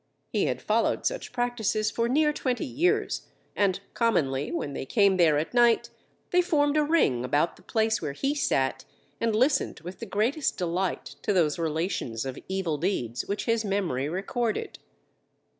He had followed such practices for near twenty years, and commonly when they came there at night they formed a ring about the place where he sat and listened with the greatest delight to those relations of evil deeds, which his memory recorded.